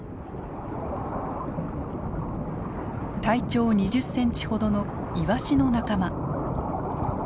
体長２０センチほどのイワシの仲間。